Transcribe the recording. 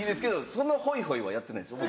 そのホイホイはやってないですよ